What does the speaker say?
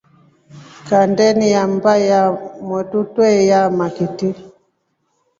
Kandeni ya mbaa ya motru twayaa makith.